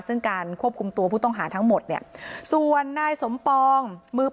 ซึ่งการควบคุมตัวผู้ต้องหาทั้งหมดเนี่ยส่วนนายสมปองมือ